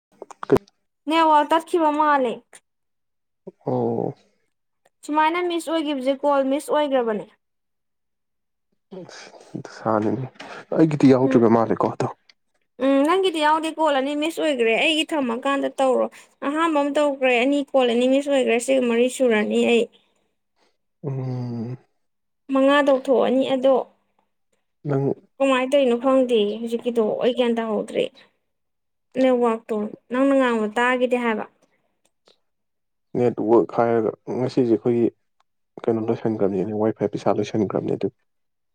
[unintelligible] ꯅ ꯋꯥꯔ ꯇꯈꯤꯕꯤꯕ ꯃꯥ ꯃꯥꯂ ꯑꯣ ꯁꯃꯥꯏꯅ ꯃꯤꯁ ꯑꯣꯏꯈꯤꯕꯁꯦ ꯀꯣꯜ ꯃꯤꯁ ꯑꯣꯏꯈ꯭ꯔꯕꯅꯦ ꯁꯅꯅꯤ ꯑꯩꯒꯤꯗꯤ ꯎꯝ ꯌꯥꯎꯗ꯭ꯔꯤꯕ ꯃꯥꯜꯂꯦꯀꯣ ꯑꯗꯣ ꯁꯤ ꯌꯥꯎꯗꯦ ꯀꯣꯜ ꯑꯅꯤ ꯃꯤꯁ ꯑꯣꯏꯈ꯭ꯔꯦ ꯑꯩꯒꯤ ꯊꯝꯃꯀꯥꯟꯗ ꯇꯧꯔꯣ ꯑꯍꯥꯥꯟꯕ ꯑꯃ ꯇꯧꯈ꯭ꯔꯦ ꯑꯅꯤ ꯀꯣꯜ ꯑꯅꯤ ꯃꯤꯁ ꯑꯣꯏꯈ꯭ꯔꯦ ꯁꯤꯒ ꯃꯔꯤ ꯁꯨꯔꯅꯤ ꯑꯩ ꯎꯝ ꯃꯉꯥ ꯇꯧꯊꯣꯛꯑꯅꯤ ꯑꯗꯣ ꯅꯪ ꯀꯃꯥꯏ ꯇꯣꯏꯅꯣ ꯐꯪꯗꯦ ꯍꯧꯖꯤꯛꯀꯤꯗꯣ ꯑꯩ ꯒ꯭ꯌꯥꯟ ꯇꯥꯍꯧꯗ꯭ꯔꯦ ꯅꯦꯠꯋꯥꯛꯇꯣ ꯅꯪꯅ ꯉꯥꯡꯕ ꯇꯥꯈꯤꯗꯦ ꯍꯥꯏꯕ ꯅꯦꯠꯋꯛ ꯍꯥꯏꯔꯒ ꯉꯁꯤꯁꯦ ꯑꯩꯈꯣꯏꯒꯤ ꯀꯩꯅꯣ ꯂꯣꯏꯁꯤꯟꯈ꯭ꯔꯕꯅꯤ ꯋꯥꯏꯐꯥꯏ ꯄꯩꯁꯥ ꯂꯣꯏꯁꯤꯟꯈ꯭ꯔꯕꯅꯦ ꯑꯗꯨ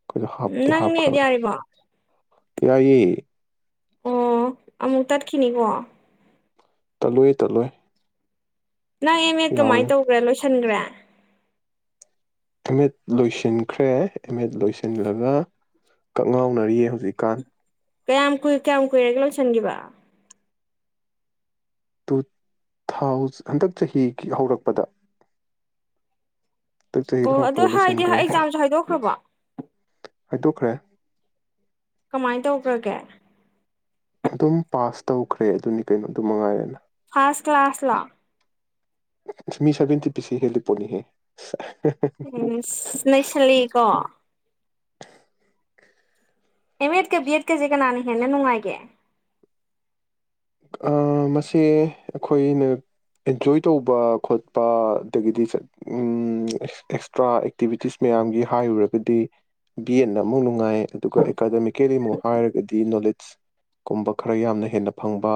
ꯑꯩꯈꯣꯏꯗꯣ ꯎ ꯍꯥꯞꯇꯤ ꯅꯪꯅꯦ ꯍꯥꯞꯈ꯭ꯔꯕꯅꯦ ꯌꯥꯔꯤꯕꯣ ꯌꯥꯏꯌꯦ ꯑꯣꯃꯨꯛ ꯇꯠ ꯈꯅꯤ ꯀꯣ ꯇꯠꯂꯨꯏ ꯇꯠꯂꯨꯣꯏ ꯅꯪ ꯑꯦꯝ ꯑꯦꯗ ꯀꯃꯥꯏꯅ ꯇꯧꯈ꯭ꯔꯦ ꯂꯣꯏꯁꯤꯟꯈ꯭ꯔꯦ ꯑꯦꯝ ꯑꯦꯗ ꯂꯣꯏꯁꯤꯟꯈ꯭ꯔꯦ ꯑꯦꯝ ꯑꯦꯗ ꯂꯣꯏꯁꯤꯜꯂꯒ ꯀꯛꯉꯥꯎꯅꯔꯤꯌꯦ ꯍꯧꯖꯤꯛꯀꯥꯟ ꯀꯌꯥꯝ ꯀꯨꯏ ꯀꯌꯥꯝ ꯀꯨꯏꯔꯒ ꯂꯣꯏꯁꯟꯕ ꯇꯨ ꯊꯥꯎ ꯍꯟꯗꯛ ꯆꯍꯤꯒꯤ ꯍꯧꯔꯛꯄꯗ ꯍꯟꯗꯛ ꯆꯍꯤ ꯑꯣ ꯑꯗꯨꯗ ꯍꯧꯔꯛꯄꯗ ꯍꯥꯏꯗꯤ ꯂꯣꯏꯁꯤꯟꯈ꯭ꯔꯦ ꯑꯦꯛꯖꯥꯝꯁꯨ ꯍꯥꯏꯗꯣꯛꯈ꯭ꯔꯕꯣ ꯍꯥꯏꯗꯣꯛꯈ꯭ꯔꯦ ꯀꯃꯥꯏꯅ ꯇꯧꯈ꯭ꯔꯒꯦ ꯑꯗꯨꯝ ꯄꯥꯁ ꯇꯧꯈ꯭ꯔꯦ ꯑꯗꯨꯅꯤ ꯀꯩꯅꯣ ꯑꯗꯨ ꯃꯉꯥꯏꯔꯦꯅ ꯐꯔꯁ ꯀ꯭ꯂꯥꯁꯥꯁꯂ ꯃꯤꯁꯥꯕꯇ ꯄꯁꯤ ꯍꯦꯜꯂꯤꯄꯅꯤꯍꯦ ꯎꯝ ꯅꯩꯁꯂꯒꯣ ꯑꯦꯝ ꯑꯦꯗ ꯀ ꯕꯤ ꯑꯦꯗ ꯀꯁꯦ ꯀꯅꯥꯅ ꯍꯦꯟꯅ ꯅꯨꯡꯉꯥꯏꯒꯦ ꯃꯁꯦ ꯑꯩꯈꯣꯏꯅ ꯑꯦꯟꯖꯣꯏ ꯇꯧꯕ ꯈꯣꯠꯄ ꯑꯗꯒꯤꯗꯤ ꯑꯦꯛꯁꯇ꯭ꯔꯥ ꯑꯦꯛꯇꯤꯚꯤꯇꯤꯁ ꯃꯌꯥꯝꯒꯤ ꯍꯥꯏꯔꯨꯔꯒꯗꯤ ꯕꯤ ꯑꯦꯠꯅ ꯑꯃꯨꯛ ꯅꯨꯡꯉꯥꯏ ꯑꯗꯨꯒ ꯑꯦꯀꯥꯗꯃꯤꯀꯦꯜꯂꯤ ꯑꯃꯨꯛ ꯍꯥꯏꯔꯒꯗꯤ ꯅꯣꯂꯦꯖꯀꯨꯝꯕ ꯈꯔ ꯌꯥꯝꯅ ꯍꯦꯟꯅ ꯐꯪꯕ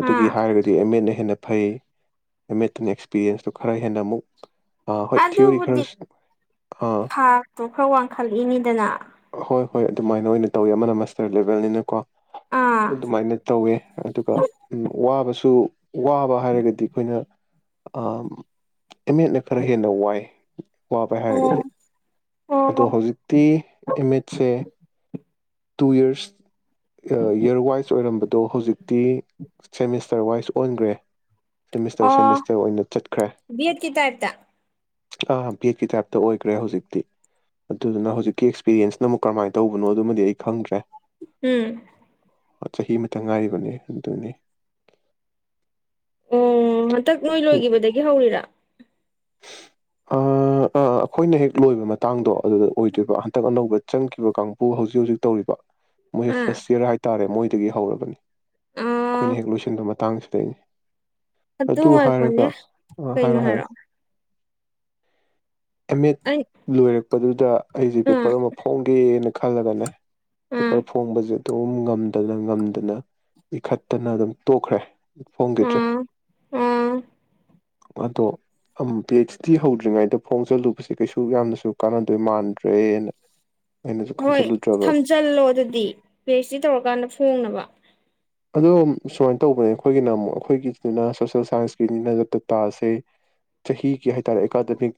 ꯑꯗꯨꯒꯤ ꯑꯥ ꯍꯥꯏꯔꯒꯗꯤ ꯑꯦꯝ ꯑꯦꯅ ꯍꯦꯟꯅ ꯐꯩ ꯑꯠꯇꯅ ꯑꯦꯛꯁꯄꯤꯔꯤꯌꯦꯟꯁꯇꯣ ꯈꯔ ꯍꯦꯟꯅ ꯑꯃꯨꯛ ꯑꯥ ꯍꯣꯏ ꯊꯤꯑꯣꯣꯔꯤ ꯑꯗꯨꯕꯨꯗꯤ ꯈꯔꯁꯨ ꯊꯥꯛꯇꯣ ꯈꯔ ꯋꯥꯡꯈꯠꯂꯛꯏꯅꯤꯗꯅ ꯍꯣꯏ ꯍꯣꯏ ꯑꯗꯨꯃꯥꯏꯅ ꯑꯣꯏꯅ ꯇꯧꯋꯤ ꯑꯃꯅ ꯃꯁꯇꯔꯠ ꯂꯦꯕꯦꯜꯅꯤꯅꯀꯣ ꯑꯗꯨ ꯑꯥ ꯑꯗꯨꯃꯥꯏꯅ ꯇꯧꯋꯦ ꯑꯗꯨꯒ ꯋꯥꯕꯁꯨ ꯋꯥꯕ ꯍꯥꯏꯔꯒꯗꯤ ꯑꯩꯈꯣꯏꯅ ꯑꯃꯦꯠꯅ ꯈꯔ ꯍꯦꯟꯅ ꯋꯥꯏ ꯋꯥꯕ ꯑꯣ ꯍꯥꯏꯔꯒꯗꯤ ꯑꯗꯣ ꯑꯣ ꯍꯧꯖꯤꯛꯇꯤ ꯏꯃꯦꯖꯁꯦ ꯇꯨ ꯌꯔꯁ ꯏꯔ ꯋꯥꯏꯁ ꯑꯣꯏꯔꯝꯕꯗꯣ ꯍꯧꯖꯤꯛꯇꯤ ꯁꯦꯃꯤꯁꯇꯔ ꯋꯥꯏꯁ ꯑꯣꯟꯒ꯭ꯔꯦ ꯑꯣ ꯕꯤ ꯑꯦꯠ ꯀꯤ ꯇꯥꯏꯞꯇ ꯑꯥ ꯕꯤ ꯑꯦꯠꯀꯤ ꯇꯥꯏꯞꯇ ꯑꯣꯏꯈ꯭ꯔꯦ ꯍꯧꯖꯤꯛꯇꯤ ꯑꯗꯨꯗꯨꯅ ꯍꯧꯖꯤꯛꯀꯤ ꯑꯦꯛꯁꯄꯤꯔꯤꯌꯦꯟꯁꯅ ꯑꯃꯨꯛ ꯀꯃꯥꯏꯅ ꯇꯧꯕꯅꯣ ꯑꯗꯨꯃꯗꯤ ꯑꯩ ꯈꯪꯗ꯭ꯔꯦ ꯎꯝ ꯆꯍꯤ ꯑꯃꯇ ꯉꯥꯏꯔꯤꯕꯒꯤ ꯑꯗꯨꯒꯤ ꯑꯣ ꯍꯟꯇꯛ ꯅꯣꯏ ꯂꯣꯏꯈꯤꯕꯗꯒꯤ ꯍꯧꯔꯤꯔꯥ ꯑꯩꯈꯣꯏꯅ ꯍꯦꯛ ꯂꯣꯏꯕ ꯃꯇꯥꯡꯗꯣ ꯑꯗꯨꯗ ꯑꯣꯏꯗꯣꯏꯕ ꯍꯟꯇꯛ ꯑꯅꯧꯕ ꯆꯪꯈꯤꯕ ꯀꯥꯡꯕꯨꯨ ꯍꯧꯖꯤꯛ ꯍꯧꯖꯤꯛ ꯇꯧꯔꯤꯕ ꯃꯣꯏ ꯑꯥ ꯐꯥꯔꯁ ꯌꯔ ꯍꯥꯏ ꯇꯥꯔꯦ ꯃꯣꯏ ꯑꯗꯨꯒꯤ ꯍꯧꯔꯕꯅꯤ ꯑꯥ ꯑꯩꯈꯣꯏꯅ ꯍꯦꯛ ꯂꯣꯏꯁꯤꯟꯕ ꯃꯇꯥꯡꯁꯤ ꯇ ꯑꯗꯨ ꯍꯥꯏꯔꯒ ꯀꯩꯅꯣ ꯍꯥꯏꯔꯣ ꯍꯥꯏꯔꯣ ꯍꯥꯏꯔꯛꯑꯣ ꯑꯦꯝ ꯑꯦ ꯑꯩ ꯂꯣꯏꯔꯛ ꯄꯗꯨꯗ ꯑꯩꯁꯦ ꯑꯥ ꯄꯦꯄꯔ ꯑꯃ ꯐꯣꯡꯒꯦꯅ ꯈꯜꯂꯒꯅꯦ ꯑꯥ ꯄꯦꯄꯔ ꯐꯣꯡꯕꯁꯦ ꯑꯗꯨꯝ ꯉꯝꯗꯅ ꯉꯝꯗꯅ ꯄꯤꯈꯠꯇꯅ ꯑꯗꯨꯝ ꯇꯣꯛꯈ꯭ꯔꯦ ꯐꯣꯡꯈꯤꯗ꯭ꯔꯦ ꯑꯥ ꯑꯥ ꯑꯗꯣ ꯄꯤ ꯑꯩꯆ ꯗꯤ ꯍꯧꯗ꯭ꯔꯤꯉꯩꯗ ꯐꯣꯡꯖꯤꯜꯂꯨꯕꯁꯦ ꯀꯩꯁꯨ ꯌꯥꯝꯅꯁꯨ ꯀꯥꯟꯅꯗꯣꯏ ꯃꯥꯟꯗ꯭ꯔꯦꯅ ꯑꯩꯅꯁꯨ ꯍꯣꯏ ꯈꯟꯖꯜꯂꯨꯗ꯭ꯔꯕ ꯊꯝꯖꯜꯂꯣ ꯑꯗꯨꯗꯤ ꯄꯤ ꯑꯩꯩꯆ ꯗꯤ ꯇꯧꯔꯀꯥꯟꯗ ꯐꯣꯡꯅꯕ ꯑꯗꯣ ꯁꯨꯃꯥꯏꯅ ꯇꯧꯕꯅꯦ ꯑꯩꯈꯣꯏꯒꯤꯅ ꯑꯃꯨꯛ ꯑꯩꯈꯣꯏꯒꯤꯗꯨꯅ ꯁꯣꯁꯦꯜ ꯁꯥꯏꯟꯁꯀꯤꯅꯤꯅ ꯗꯇꯥꯁꯦ ꯆꯍꯤꯒꯤ ꯍꯥꯏ ꯇꯥꯔꯦ ꯑꯦꯀꯥꯗꯃꯤꯛ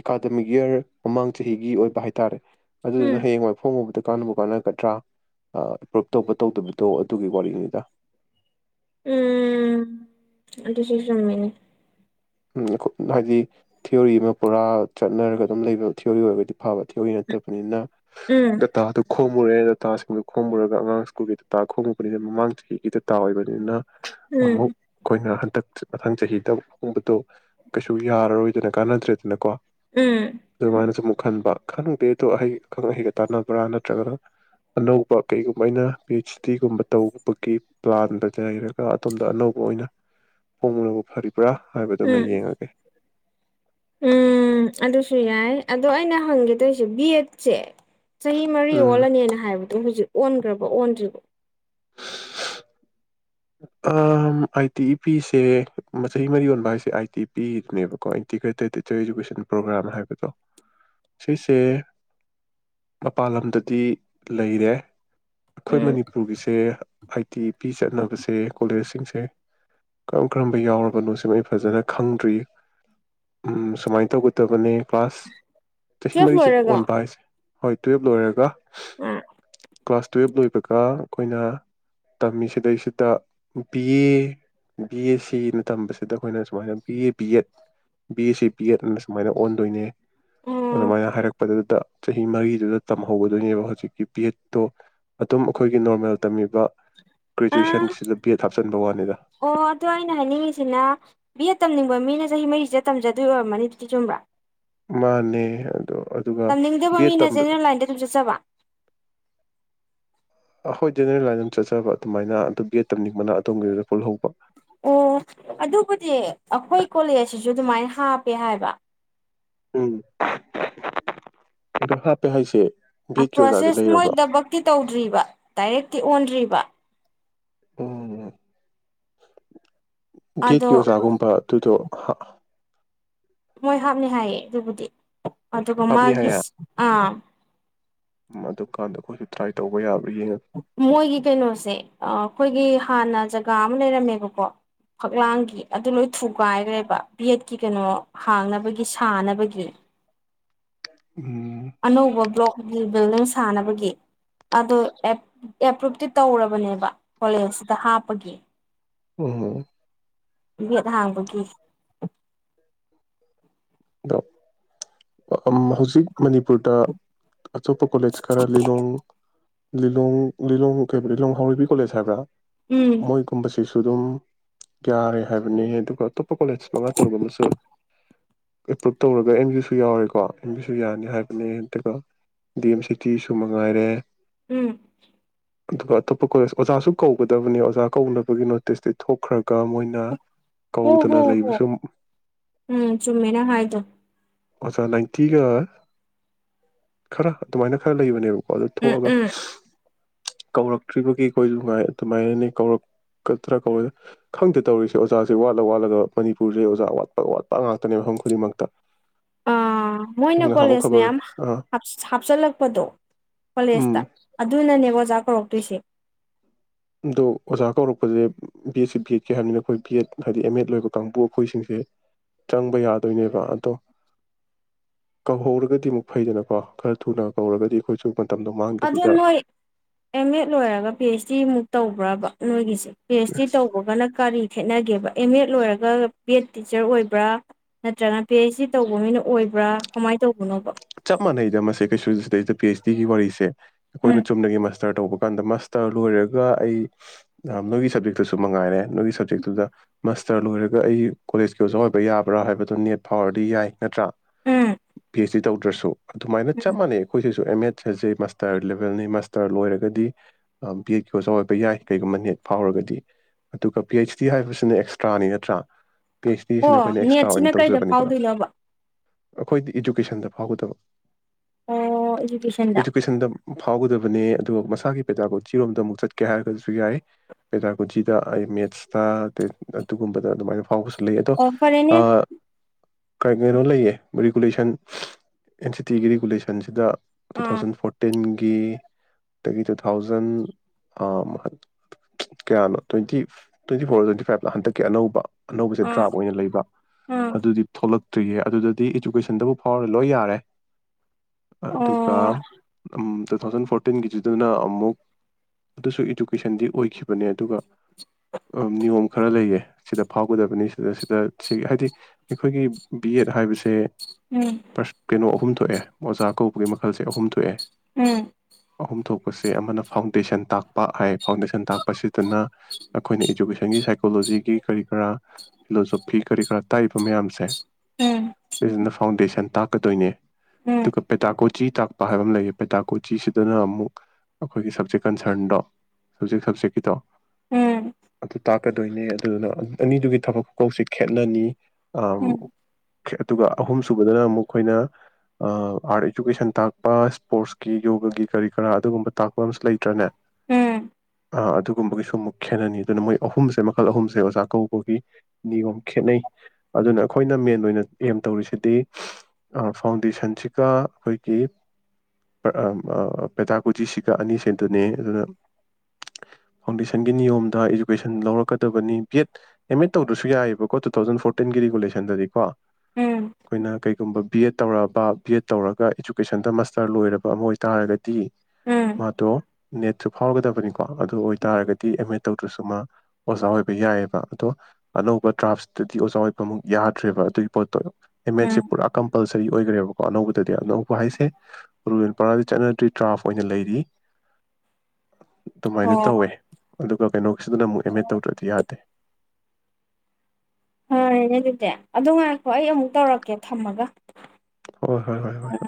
ꯑꯦꯀꯥꯗꯃꯤꯛ ꯏꯌꯥꯔ ꯃꯃꯥꯡ ꯆꯍꯤꯒꯤ ꯑꯣꯏꯕ ꯍꯥꯏ ꯇꯥꯔꯦ ꯑꯗꯨꯗꯨꯅ ꯎꯝ ꯍꯌꯦꯡꯋꯥꯏ ꯐꯣꯡꯉꯨꯕꯗ ꯀꯥꯟꯅꯕꯨ ꯀꯥꯟꯅꯒꯗ꯭ꯔꯥ ꯑꯦꯄ꯭ꯔꯨꯨꯞ ꯇꯧꯕ ꯇꯧꯗꯕꯗꯣ ꯇꯨꯒꯤ ꯋꯥꯔꯤꯅꯤꯗ ꯎꯝ ꯑꯗꯨꯁꯨ ꯆꯨꯝꯃꯤꯅꯦ ꯍꯥꯏꯗꯤ ꯊꯤꯑꯣꯔꯤ ꯑꯃ ꯄꯨꯔꯥ ꯆꯠꯅꯔꯒ ꯑꯗꯨꯝ ꯂꯩꯕ ꯊꯤꯑꯣꯔꯤ ꯑꯣꯏꯔꯒꯗꯤ ꯐꯕ ꯊꯤꯑꯣꯔꯤ ꯅꯠꯇꯕꯅꯤꯅ ꯎꯝ ꯗꯇꯥꯗꯨ ꯈꯣꯝꯃꯨꯔꯦ ꯗꯇꯥꯁꯤꯡꯗꯨ ꯈꯣꯝꯃꯨꯔꯒ ꯑꯉꯥꯡ ꯁ꯭ꯀꯨꯜꯒꯤ ꯗꯇꯥ ꯈꯣꯝꯃꯨꯕꯅꯤꯅ ꯃꯃꯥꯡ ꯆꯍꯤꯒꯤ ꯗꯇꯥ ꯑꯣꯏꯕꯅꯤꯅ ꯎꯝ ꯑꯃꯨꯛ ꯀꯣꯏꯅꯍꯜ ꯍꯟꯗꯛ ꯃꯊꯪ ꯆꯍꯤꯗ ꯨꯝꯕꯗꯣ ꯀꯩꯁꯨ ꯌꯥꯔꯔꯣꯏꯗꯅ ꯀꯥꯟꯅꯗ꯭ꯔꯦꯗꯅꯀꯣ ꯎꯝ ꯑꯗꯨꯃꯥꯏꯅꯁꯨ ꯈꯟꯕ ꯈꯪꯗꯦ ꯑꯗꯣ ꯑꯍꯩ ꯑꯈꯪ ꯑꯍꯩꯒ ꯇꯥꯟꯅꯕ꯭ꯔꯥ ꯅꯠꯇ꯭ꯔꯒꯅ ꯑꯅꯧꯕ ꯀꯩꯒꯨꯝꯕ ꯑꯩꯅ ꯄꯤ ꯑꯩꯩꯆ ꯗꯤ ꯒꯨꯝꯕ ꯇꯧꯕꯒꯤ ꯄ꯭ꯂꯥꯟꯗ ꯂꯩꯔꯒ ꯑꯗꯣꯝꯗ ꯑꯅꯧꯕ ꯑꯣꯏꯅ ꯍꯣꯡꯅꯕ ꯐꯔꯤꯕ꯭ꯔꯥ ꯍꯥꯏꯕꯗꯨꯃ ꯎꯝ ꯌꯦꯡꯉꯒꯦ ꯎꯝ ꯑꯗꯨꯁꯨ ꯌꯥꯏ ꯑꯗꯣ ꯑꯩꯅ ꯍꯪꯒꯦ ꯇꯧꯣꯏꯁꯦ ꯕꯤ ꯑꯦꯠꯁꯦ ꯆꯍꯤ ꯃꯔꯤ ꯎꯝ ꯑꯣꯜꯂꯅꯤꯅ ꯍꯥꯏꯕꯗꯣ ꯍꯧꯖꯤꯛ ꯑꯣꯟꯈ꯭ꯔꯕ ꯑꯣꯟꯗ꯭ꯔꯤꯕꯣ ꯑꯥꯏ ꯇꯤ ꯏ ꯄꯤꯁꯦ ꯃ ꯃꯔꯤ ꯌꯣꯟꯕ ꯍꯥꯏꯁꯦ ꯑꯥꯏ ꯇꯤ ꯏ ꯄꯤꯗꯨꯅꯦꯕꯀꯣ ꯏꯟꯇꯤꯒ꯭ꯔꯦꯇꯦꯠ ꯇꯤꯆꯔ ꯏꯗꯨꯀꯦꯁꯟ ꯄ꯭ꯔꯣꯒ꯭ꯔꯥꯝ ꯍꯥꯏꯕꯗꯣ ꯁꯤꯁꯦ ꯃꯄꯜ ꯂꯝꯗꯗꯤ ꯂꯩꯔꯦ ꯑꯩꯈꯣꯏ ꯎꯝ ꯃꯅꯤꯄꯨꯔꯒꯤꯁꯦ ꯁꯦ ꯑꯥꯏ ꯇꯤ ꯄꯤ ꯆꯠꯅꯕꯁꯦ ꯀꯣꯂꯦꯖꯁꯤꯡꯁꯦ ꯀꯔꯝ ꯀꯔꯝꯕ ꯌꯥꯎꯔꯕꯅꯣ ꯁꯤꯃ ꯑꯩ ꯐꯖꯅ ꯈꯪꯗ꯭ꯔꯤ ꯁꯨꯃꯥꯏꯅ ꯇꯧꯒꯗꯕꯅꯦ ꯀ꯭ꯂꯥꯁ ꯆꯍꯤ ꯇꯨꯌꯦꯜꯐ ꯃꯔꯤ ꯆꯦ ꯂꯣꯏꯔꯒ ꯑꯣꯅ ꯄꯁꯦ ꯍꯣꯏ ꯇꯨꯌꯦꯜꯞ ꯂꯣꯏꯔꯒ ꯎꯝ ꯀ꯭ꯂꯥꯁ ꯇ꯭ꯋꯦꯜꯕ ꯂꯣꯏꯦ ꯀꯥ ꯑꯩꯈꯣꯏꯅ ꯇꯝꯃꯤ ꯁꯤꯗꯩꯁꯤꯗ ꯕꯤ ꯑꯦ ꯕꯤ ꯑꯦꯁ ꯁꯤꯅ ꯇꯝꯕꯁꯤꯗ ꯑꯩꯈꯣꯏꯅ ꯁꯨꯃꯥꯏꯅ B A B aid B S C B ꯑꯦꯗꯅ ꯁꯨꯃꯥꯏꯅ ꯑꯣꯟꯗꯣꯏꯅꯦ ꯑꯣ ꯑꯗꯨꯃꯥꯏꯅ ꯍꯥꯏꯔꯛꯄꯗꯨꯗ ꯆꯍꯤ ꯃꯔꯤꯗꯨꯗ ꯇꯝꯍꯧꯒꯗꯣꯏꯅꯦꯕ ꯍꯧꯖꯤꯛꯀꯤ ꯄꯦꯠꯇꯣ ꯑꯗꯨꯝ ꯑꯩꯈꯣꯏ ꯒꯤ ꯅꯣꯔꯃꯦꯜ ꯇꯝꯃꯤꯕ ꯑ ꯒ꯭ꯔꯦꯖꯨꯋꯦꯁꯟꯁꯤꯗ ꯕꯤ ꯑꯦꯗ ꯍꯥꯞꯆꯟꯕ ꯋꯥꯅꯤꯗ ꯑꯣ ꯑꯗꯨ ꯑꯩꯅ ꯍꯥꯏꯅꯤꯡꯉꯤꯁꯤꯅ ꯕꯤ ꯇꯝ ꯎ ꯃꯤꯅ ꯆꯍꯤ ꯃꯔꯤꯁꯤꯗ ꯇꯝꯖꯗꯣꯏ ꯑꯣꯏꯔꯝꯃꯅꯤ ꯑꯗꯨꯗꯤ ꯆꯨꯝꯕ꯭ꯔꯥ ꯃꯥꯅꯦ ꯑꯗꯣ ꯑꯗꯨꯒ ꯇꯝꯅꯤꯡꯗꯕ ꯕꯤ ꯑꯦꯗ ꯇꯝꯕ ꯃꯤꯅꯁꯦꯅ ꯂꯥꯏꯟꯗ ꯑꯗꯨꯝ ꯆꯠꯆꯕ ꯑꯈꯣꯏ ꯖꯦꯅꯦꯔꯦꯜ ꯂꯥꯏꯟ ꯑꯃꯝ ꯆꯠꯆꯕ ꯑꯗꯨꯃꯥꯏꯅ ꯑꯗꯨ ꯒꯦꯠ ꯇꯝꯅꯤꯡꯕꯅ ꯑꯗꯣꯝꯒꯤꯗꯨꯗ ꯄꯨꯜꯍꯧꯕ ꯑꯣ ꯑꯗꯨꯕꯨꯗꯤ ꯑꯩꯈꯣꯏ ꯀꯣꯂꯦꯖꯁꯤꯁꯨ ꯑꯗꯨꯃꯥꯏꯅ ꯍꯥꯞꯄꯦ ꯍꯥꯏꯕ ꯎꯝꯗ ꯍꯥꯞꯄꯦ ꯍꯥꯏꯁꯦ ꯚꯦꯠꯀꯤ ꯑꯣꯖꯥꯗꯤ ꯄ꯭ꯔꯣꯁꯦꯁ ꯃꯣꯏ ꯂꯩꯔꯕ꯭ꯔꯣ ꯊꯕꯛꯇꯤ ꯇꯧꯗ꯭ꯔꯤꯕ ꯗꯥꯏꯔꯦꯛ ꯇꯤ ꯑꯣꯟꯗ꯭ꯔꯤꯕ ꯎꯝ ꯕꯤꯦꯛꯀꯤ ꯑꯗꯣ ꯑꯣꯖꯥꯒꯨꯝꯕ ꯑꯗꯨꯗꯣ ꯍꯥ ꯃꯣꯏ ꯍꯥꯞꯅꯤ ꯍꯥꯏꯌꯦ ꯑꯗꯨꯕꯨꯗꯤ ꯑꯗꯨ ꯀ ꯍꯥꯞꯅꯤ ꯃꯥꯒꯤ ꯍꯥꯏꯌꯦ ꯑꯥ ꯎꯝ ꯑꯗꯨꯀꯥꯟꯗ ꯑꯩꯈꯣꯏꯁꯨ ꯇ꯭ꯔꯥꯏ ꯇꯧꯕ ꯌꯥꯕ꯭ꯔ ꯃꯣꯏꯒꯤ ꯀꯩꯅꯣꯁꯦ ꯑꯩꯈꯣꯏꯒꯤ ꯍꯥꯟꯅ ꯖꯒꯥ ꯑꯃ ꯂꯩꯔꯝꯃꯦꯕꯀꯣ ꯐꯛꯂꯥꯡꯒꯤ ꯑꯗꯨ ꯂꯣꯏ ꯊꯨꯒꯥꯏꯈ꯭ꯔꯦꯕ ꯕꯦꯠꯀꯤ ꯀꯩꯅꯣ ꯍꯥꯡꯅꯕꯒꯤ ꯁꯥꯅꯕꯒꯤ ꯎꯝ ꯑꯅꯣꯕꯕ꯭ꯂꯣ ꯒꯤ ꯕꯤꯜꯗꯤꯡ ꯁꯥꯟꯅꯕꯒꯤ ꯑꯗꯨ ꯑꯦꯄ꯭ꯔꯨꯨꯞꯇꯤ ꯇꯧꯔꯕꯅꯦꯕ ꯀꯣꯂꯦꯖꯁꯤꯗ ꯍꯥꯞꯄꯒꯤ ꯑꯣ ꯌꯦꯗꯍꯥꯡꯕꯒ ꯑ ꯍꯧꯖꯤꯛ ꯃꯅꯤꯄꯨꯔꯗ ꯑꯆꯣꯞꯄ ꯀꯣꯂꯦꯖ ꯈꯔ ꯂꯤꯂꯣꯡ ꯂꯤꯂꯣꯡ ꯂꯤꯂꯣꯡ ꯀ ꯂꯤꯂꯣꯡ ꯍꯥꯎꯔꯩꯕꯤ ꯀꯣꯂꯦꯖ ꯍꯥꯏꯕ꯭ꯔꯥ ꯎꯝ ꯃꯣꯏ ꯀꯨꯝꯕꯥꯁꯤꯁ ꯁꯨ ꯑꯗꯨꯝ ꯌꯥꯔꯦ ꯍꯥꯏꯕꯅꯤ ꯑꯗꯨꯒ ꯑꯇꯣꯞꯄ ꯀꯣꯂꯦꯖ ꯃꯉꯥ ꯇꯧꯔꯒꯨꯝ ꯑꯃꯁꯁꯨ ꯑꯦꯄ꯭ꯔꯨꯞ ꯇꯧꯔꯒ ꯑꯦꯝ ꯕꯤꯁꯨ ꯌꯥꯎꯔꯦꯀꯣ ꯑꯦꯝ ꯕꯤꯁꯨ ꯌꯥꯅꯤ ꯍꯥꯏꯕꯅꯦ ꯑꯗꯨꯒ ꯗꯤ ꯑꯦꯝ ꯁꯤꯇꯤꯁꯨ ꯃꯉꯥꯏꯔꯦ ꯎꯝ ꯑꯗꯨꯒ ꯑꯇꯣꯞꯄ ꯀꯣꯂꯦꯖ ꯑꯣꯖꯥꯁꯨ ꯀꯧꯒꯗꯕꯅꯤ ꯑꯣꯖꯥ ꯀꯧꯅꯕꯒꯤ ꯅꯣꯇꯤꯁꯇꯤ ꯊꯣꯛꯈ꯭ꯔꯒ ꯀꯅ ꯍꯣ ꯀꯧꯗꯅ ꯂꯩꯕꯁꯨ ꯇꯨꯝꯃꯦꯅ ꯍꯥꯏꯗ ꯑꯣꯖꯥ ꯅꯥꯏꯟꯇꯤꯒ ꯈꯔ ꯑꯗꯨꯃꯥꯏꯅ ꯈꯔ ꯂꯩꯕꯅꯦꯕ ꯑꯗꯨ ꯑꯗꯨ ꯎꯝ ꯊꯣꯛꯑꯒ ꯎꯝ ꯀꯧꯔꯛꯇ꯭ꯔꯤꯕꯒꯤ ꯑꯩꯈꯣꯏꯁꯨꯥꯏ ꯑꯗꯨꯃꯥꯏꯅꯅꯤ ꯀꯧꯔꯛꯀꯗ꯭ꯔꯥ ꯀꯧꯔ ꯈꯪꯗꯦ ꯇꯧꯔꯤꯁꯦ ꯑꯣꯖꯥꯁꯦ ꯋꯥꯠꯂ ꯋꯥꯠꯂꯒ ꯃꯅꯤꯄꯨꯔꯁꯦ ꯑꯣꯖꯥ ꯋꯥꯠꯄ ꯋꯥꯠꯄ ꯉꯥꯛꯇ ꯈꯛꯇꯅꯦ ꯃꯐꯝ ꯈꯨꯗꯤꯡꯃꯛꯇ ꯃꯣꯏꯅ ꯅꯍꯥꯟꯃꯨꯛ ꯀꯣꯂꯦꯖ ꯈꯕꯔ ꯃꯌꯥꯝ ꯑꯥ ꯍꯥꯞꯆꯤꯜꯂꯛꯄꯗꯣ ꯀꯣꯂꯦꯖꯇ ꯎꯝ ꯑꯗꯨꯅꯅꯦꯕ ꯑꯣꯖꯥ ꯀꯧꯔꯛꯇꯣꯏꯁꯦ ꯑꯗꯣ ꯑꯣꯖꯥ ꯀꯧꯔꯛꯄꯁꯦ ꯕꯤ ꯑꯦꯠꯁꯤꯦ ꯕꯤ ꯑꯦꯠꯀꯤꯦ ꯍꯥꯏꯕꯅꯤꯅ ꯑꯩꯈꯣꯏ ꯕꯤ ꯑꯦꯗ ꯍꯥꯏꯗꯤ ꯑꯦꯝ ꯑꯦꯗ ꯂꯣꯏꯕ ꯀꯥꯡꯕꯨ ꯑꯩꯈꯣꯏꯁꯤꯡꯁꯦ ꯆꯪꯕ ꯌꯥꯗꯣꯏꯅꯦꯕ ꯑꯗꯣ ꯀꯧꯍꯧꯔꯒꯗꯤ ꯑꯃꯨꯛ ꯐꯩꯗꯅꯀꯣ ꯈꯔ ꯊꯨꯅ ꯀꯧꯔꯒꯗꯤ ꯑꯩꯈꯣꯏꯁꯨ ꯃꯇꯝꯗꯣ ꯑꯗꯨ ꯃꯥꯡꯗꯕꯤꯗ ꯅꯣꯏ ꯑꯦꯝ ꯑꯦꯗ ꯂꯣꯏꯔꯒ ꯄꯤ ꯑꯩꯩꯆ ꯗꯤ ꯃꯨꯛ ꯇꯧꯕ꯭ꯔꯕ ꯅꯣꯏꯒꯤꯁꯦ ꯄꯤ ꯑꯦꯁ ꯇꯤ ꯇꯧꯕꯒꯅ ꯀꯔꯤ ꯈꯦꯠꯅꯒꯦꯕ ꯑꯦꯝ ꯑꯦꯗ ꯂꯣꯏꯔꯒ ꯄꯤ ꯑꯦꯗ ꯇꯤꯆꯔ ꯑꯣꯏꯕ꯭ꯔꯥ ꯅꯠꯇ꯭ꯔꯒꯅ ꯄꯤ ꯑꯩꯩꯆ ꯗꯤ ꯇꯧꯕ ꯃꯤꯅ ꯑꯣꯏꯕ꯭ꯔꯥ ꯀꯃꯥꯏꯅ ꯇꯧꯕꯅꯣꯕ ꯆꯞ ꯃꯥꯟꯅꯩꯗ ꯃꯁꯦ ꯀꯩꯁꯨ ꯁꯤꯗꯩꯗ ꯄꯤ ꯑꯩꯆ ꯗꯤꯒꯤ ꯋꯥꯔꯤꯁꯦ ꯎꯝ ꯑꯩꯈꯣꯏꯅ ꯆꯨꯝꯅꯒꯤ ꯃꯁ ꯃꯥꯁꯇꯔ ꯇꯧꯕ ꯀꯥꯟꯗ ꯃꯥꯁꯇꯔ ꯂꯣꯏꯔꯒ ꯑꯩ ꯅꯣꯏꯒꯤ ꯁꯞꯖꯦꯛꯇꯨꯁꯨ ꯃꯉꯥꯏꯔꯦ ꯀꯔꯤ ꯁꯕꯖꯦꯛꯛꯇꯨꯗ ꯃꯁ ꯁꯥꯔ ꯂꯣꯏꯔꯒ ꯑꯩ ꯀꯣꯂꯦꯖꯀꯤ ꯑꯣꯖꯥ ꯑꯣꯏꯕ ꯌꯥꯕ꯭ꯔꯥ ꯍꯥꯏꯕꯗꯨꯣ ꯅꯦꯠ ꯐꯥꯎꯔꯗꯤ ꯌꯥꯏ ꯅꯠꯇ꯭ꯔ ꯎꯝ ꯄꯤ ꯍꯩꯁ ꯗꯤ ꯇꯧꯗ꯭ꯔꯁꯨ ꯑꯗꯨꯃꯥꯏ ꯆꯞ ꯃꯥꯟꯩ ꯑꯩꯈꯣꯏ ꯑꯗꯨ ꯑꯦꯝ ꯑꯦꯠ ꯍꯥꯏꯁꯦ ꯃꯥꯁꯇꯔ ꯂꯦꯕꯦꯜꯅꯤ ꯃꯥꯁꯇꯔ ꯂꯣꯏꯔꯒꯗꯤ ꯕꯤ ꯑꯩꯠ ꯀ ꯑꯣꯖꯥ ꯑꯣꯏꯕ ꯌꯥꯏ ꯀꯩꯒꯨꯝꯕ ꯅꯦꯠ ꯐꯥꯎꯔꯒꯗꯤ ꯑꯗꯨꯒ ꯄꯤ ꯑꯩꯩꯆ ꯗꯤ ꯍꯥꯏꯕꯁꯤꯅ ꯑꯦꯛꯁꯇ꯭ꯔꯥꯅꯤ ꯅꯠꯇ꯭ꯔꯥ ꯄꯤ ꯑꯩꯆ ꯗꯤ ꯁꯤꯅ ꯑꯣ ꯑꯩꯈꯣꯏꯅ ꯑꯦꯛꯁꯇ꯭ꯔꯥ ꯑꯣꯏꯅ ꯅꯦꯠꯁꯤꯅ ꯀꯩꯗ ꯇꯧꯖꯕꯅꯤꯗꯅ ꯐꯥꯎꯗꯣꯏꯅꯣꯕ ꯑꯩꯈꯣꯏꯗꯤ ꯏꯖꯨꯀꯦꯁꯟꯗ ꯐꯥꯎꯒꯗꯕ ꯑꯣ ꯏꯖꯨꯀꯦꯁꯟꯗ ꯏꯗꯨꯀꯦꯁꯟꯗ ꯐꯥꯎꯒꯗꯕ ꯑꯗꯨꯒ ꯃꯁꯥꯒꯤ ꯄꯦꯖꯀꯣꯖꯤꯤꯔꯣꯝꯗ ꯑꯃꯨꯛ ꯆꯠꯀꯦ ꯍꯥꯏꯔꯒꯁꯨ ꯌꯥꯏ ꯄꯦꯗꯥꯒꯣꯆꯤꯗ ꯑꯩ ꯃꯦꯠꯁꯇ ꯑꯗꯨꯒꯨꯝꯕꯗ ꯑꯗꯨꯃꯥꯏꯅ ꯐꯥꯎꯒꯁ ꯂꯩꯗꯣ ꯑꯣ ꯐꯔꯦꯅꯦ ꯑ ꯀꯩꯅꯣ ꯂꯩꯌꯦ ꯔꯤꯒꯨꯂꯦꯁꯟ ꯑꯦꯟ ꯁꯤ ꯇꯤꯒꯤ ꯔꯤꯒꯨꯂꯦꯁꯟꯁꯤꯗ ꯇꯨ ꯑꯥ ꯊꯥꯎꯖꯟ ꯐꯣꯔꯇꯤꯟ ꯒꯤ ꯑꯗꯒꯤ ꯇꯨ ꯊꯥꯎꯖꯟ ꯀꯌꯥꯅꯣ twenty twenty four twenty five ꯍꯟꯗꯛꯀꯤ ꯑꯅꯧꯕ ꯑꯅꯧꯕꯁꯦ ꯑꯥ ꯗ꯭ꯔꯥꯞ ꯑꯣꯏꯅ ꯂꯩꯕ ꯑꯥ ꯑꯗꯨꯗꯤ ꯊꯣꯛꯂꯛ ꯆꯠꯇꯏꯌꯦ ꯑꯗꯨꯗꯤ ꯏꯨꯀꯦꯁꯟꯗꯕꯨ ꯐꯥꯎꯔꯒ ꯂꯣꯏ ꯌꯥꯔꯦ ꯑꯗꯨꯒ ꯑꯣ ꯑꯝ ꯇꯨ ꯊꯥꯎꯖꯟ ꯐꯣꯔꯇꯤꯟꯒꯤꯗꯨꯗꯨꯅ ꯑꯃꯨꯛ ꯑꯗꯨꯁꯨ ꯏꯗꯨꯀꯦꯁꯟꯗꯤ ꯑꯣꯏꯈꯤꯕꯅꯦ ꯑꯗꯨꯒ ꯅꯤꯌꯣꯝ ꯈꯔ ꯂꯩꯌꯦ ꯁꯤꯗ ꯐꯥꯎꯒꯗꯕꯅꯤ ꯁꯤꯗ ꯁꯤꯗ ꯁꯤ ꯍꯥꯏꯗꯤ ꯑꯩꯈꯣꯏꯒꯤ ꯕꯤ ꯑꯦꯗ ꯍꯥꯏꯕꯁꯦ ꯎꯝ ꯀꯩꯅꯣ ꯑꯍꯨꯝ ꯊꯣꯛꯑꯦ ꯑꯣꯖꯥ ꯀꯧꯕꯒꯤ ꯃꯈꯜꯁꯦ ꯑꯍꯨꯝ ꯊꯣꯛꯑꯦ ꯎꯝ ꯑꯍꯨꯝ ꯊꯣꯛꯄꯁꯦ ꯑꯃꯅ ꯐꯥꯎꯟꯗꯦꯁꯟ ꯇꯥꯛꯄ ꯍꯥꯏ ꯐꯥꯎꯟꯗꯦꯁꯟ ꯇꯥꯛꯄꯁꯤꯗꯅ ꯑꯩꯈꯣꯏꯅ ꯏꯖꯨꯀꯦꯁꯟ ꯅꯪꯒꯤ ꯁꯥꯏꯀꯣꯂꯣꯖꯤꯒꯤ ꯀꯔꯤ ꯀꯔꯥ ꯐꯤꯂꯣꯁꯣꯐꯤ ꯀꯔꯤ ꯀꯔꯥ ꯇꯥꯛꯏꯕ ꯃꯌꯥꯝꯁꯦ ꯎꯝ ꯖꯤꯅ ꯐꯥꯎꯟꯗꯦꯁꯟ ꯇꯥꯛꯀꯗꯣꯏꯅꯦ ꯇꯨ ꯎꯝ ꯀ ꯄꯤꯇꯥ ꯀꯣ ꯆꯤ ꯇꯥꯛꯄ ꯍꯥꯏꯕ ꯑꯃ ꯂꯩꯌꯦ ꯄꯦꯇꯥꯛꯀꯨ ꯆꯤꯁꯤꯗꯅ ꯑꯃꯨꯛ ꯑꯩꯈꯣꯏꯒꯤ ꯁꯞꯖꯦꯛ ꯀꯟꯁꯔꯟꯗꯣ ꯁꯞꯖꯦꯛ ꯁꯞꯖꯦꯛꯀꯤꯗꯣ ꯎꯝ ꯑ ꯇꯥꯛꯀꯗꯣꯏꯅꯦ ꯑꯗꯨꯗꯨꯅ ꯑꯅꯤꯗꯨꯒꯤ ꯊꯕꯛ ꯈꯨꯀꯧꯁꯤ ꯈꯦꯠꯅꯅꯤ ꯑ ꯎꯝ ꯑꯗꯨꯒ ꯑꯍꯨꯝ ꯁꯨꯕꯗꯅ ꯑꯃꯨꯛ ꯑꯩꯈꯣꯏꯅ ꯑ ꯑꯥꯔꯠ ꯏꯖꯨꯀꯦꯁꯟ ꯇꯥꯛꯄ ꯁ꯭ꯄꯣꯔꯠꯁꯀꯤ ꯌꯣꯒꯒꯤ ꯀꯔꯤ ꯀꯔꯥ ꯑꯗꯨꯒꯨꯝꯕ ꯇꯥꯛꯄ ꯑꯝꯨ ꯂꯩꯇ꯭ꯔꯅꯦ ꯎꯝ ꯑꯗꯨꯒꯨꯝꯕꯒꯤꯁꯨ ꯑꯃꯨꯛ ꯈꯦꯠꯅꯅꯤ ꯑꯗꯨꯅ ꯃꯣꯏ ꯑꯍꯨꯝꯁꯦ ꯃꯈꯜ ꯑꯍꯨꯝꯁꯦ ꯑꯣꯖꯥ ꯀꯧꯕꯒꯤ ꯅꯤꯌꯣꯝ ꯈꯦꯠꯅꯩ ꯑꯗꯨꯅ ꯑꯩꯈꯣꯏꯅ ꯃꯦꯟ ꯑꯣꯏꯅ ꯑꯦꯝ ꯇꯧꯔꯤꯁꯤꯗꯤ ꯐꯥꯎꯟꯗꯦꯁꯟꯁꯤꯒ ꯑꯩꯈꯣꯏꯒꯤ ꯄ ꯄꯦꯇꯥꯀꯨꯖꯤꯁꯤꯒ ꯑꯅꯤꯁꯤꯗꯨꯅꯦ ꯑꯗꯨꯅ ꯐꯥꯎꯟꯗꯦꯁꯟꯒꯤ ꯅꯤꯌꯣꯝꯗ ꯏꯖꯨꯀꯦꯁꯟ ꯂꯧꯔꯛꯀꯗꯕꯅꯤ ꯕꯤ ꯑꯦꯗ ꯑꯦꯝ ꯑꯦꯗ ꯇꯧꯗꯁꯨ ꯌꯥꯏꯑꯕꯀꯣ ꯇꯨ ꯊꯥꯎꯖꯟ ꯐꯣꯔꯇꯤꯟꯒꯤ ꯔꯤꯒꯨꯂꯦꯁꯟꯗꯗꯤꯀꯣ ꯎꯝ ꯑꯩꯈꯣꯏꯅ ꯀꯩꯒꯨꯝꯕ ꯕꯤ ꯑꯦꯗ ꯇꯧꯔꯛꯑ ꯕꯤ ꯑꯦꯗꯠ ꯇꯧꯔꯒ ꯏꯖꯨꯀꯦꯁꯟꯗ ꯃꯥꯁꯇꯔ ꯂꯣꯏꯔꯕ ꯑꯃ ꯑꯣꯏꯇꯥꯔꯒꯗꯤ ꯗꯤ ꯎꯝ ꯃꯥꯗꯣ ꯅꯦꯠ ꯁꯨ ꯐꯥꯎꯔꯒꯗꯕꯅꯤꯀꯣ ꯑꯗꯨ ꯑꯣꯏꯇꯥꯔꯒꯗꯤ ꯑꯦꯝ ꯑꯦ ꯇꯧꯗ꯭ꯔꯁꯨ ꯃꯥ ꯑꯣꯖꯥ ꯑꯣꯏꯕ ꯌꯥꯏꯌꯦꯕ ꯑꯗꯣ ꯑꯅꯧꯕ ꯗ꯭ꯔꯥꯐꯇꯗꯤ ꯑꯣꯖꯥ ꯑꯣꯏꯕ ꯑꯃꯨꯛ ꯌꯥꯗ꯭ꯔꯦꯕ ꯑꯗꯨꯒꯤ ꯄꯣꯠꯇꯣ ꯎꯝ ꯏꯃꯦꯆ ꯄꯨꯨꯔꯥ ꯄꯜꯁꯔꯤ ꯑꯣꯏꯈ꯭ꯔꯦꯕꯀꯣ ꯑꯅꯧꯕꯗꯗꯤ ꯑꯅꯧꯕ ꯍꯥꯏꯁꯦ ꯔꯨꯜ ꯄꯔꯥꯗꯤ ꯆꯠꯅꯗ꯭ꯔꯤ ꯇ꯭ꯔꯥꯐ ꯑꯣꯏꯅ ꯂꯩꯔꯤ ꯑꯗꯨꯃꯥꯏꯅ ꯇꯧꯋꯦ ꯑꯣ ꯑꯗꯨꯒ ꯀꯩꯅꯣꯁꯤꯗꯅ ꯑꯃꯨꯛ ꯑꯦꯝ ꯑꯦ ꯇꯧꯗ꯭ꯔꯗꯤ ꯌꯥꯗꯦ ꯐꯔꯦꯅꯦ ꯑꯗꯨꯗꯤ ꯑꯗꯨ ꯉꯥꯢꯈꯣ ꯍꯣꯏ ꯑꯩ ꯑꯃꯨꯛ ꯇꯧꯔꯛꯀꯦ ꯊꯝꯃꯒ ꯍꯣꯏ ꯍꯣꯏ ꯍꯣꯏ ꯍ